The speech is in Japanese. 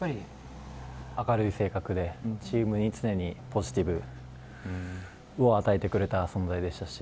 明るい性格でチームに常にポジティブを与えてくれた存在でしたし